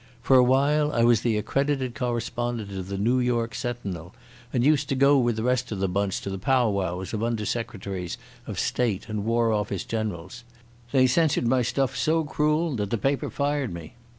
For a while I was the accredited correspondent of the Noo York Sentinel and used to go with the rest of the bunch to the pow wows of under secretaries of State and War Office generals. They censored my stuff so cruel that the paper fired me.